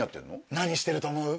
何してると思う？